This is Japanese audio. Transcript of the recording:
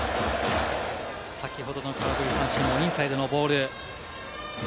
先ほどの空振り三振もインサイドのボール。